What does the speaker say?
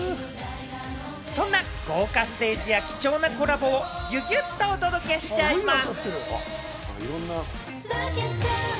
そんな豪華ステージや貴重なコラボをギュギュッとお届けしちゃいます。